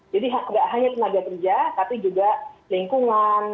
jadi nggak hanya tenaga kerja tapi juga lingkungan